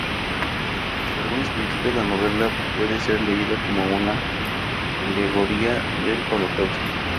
Para algunos críticos, la novela puede ser leída como una alegoría del Holocausto.